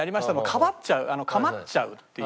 構っちゃう構っちゃうっていう。